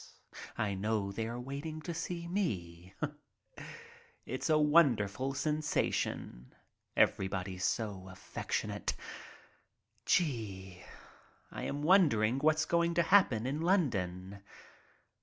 I know they are waiting to see me. HELLO! ENGLAND 45 It's a wonderful sensation — everybody so affectionate. Gee ! I am wondering what's going to happen in London?